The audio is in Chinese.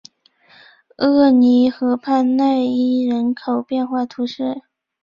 厄尔河畔讷伊人口变化图示